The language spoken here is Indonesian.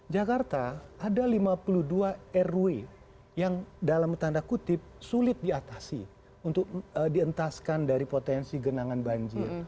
jakarta ada lima puluh dua rw yang dalam tanda kutip sulit diatasi untuk dientaskan dari potensi genangan banjir